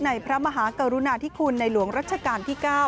พระมหากรุณาธิคุณในหลวงรัชกาลที่๙